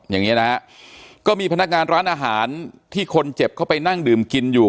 อย่างนี้นะฮะก็มีพนักงานร้านอาหารที่คนเจ็บเข้าไปนั่งดื่มกินอยู่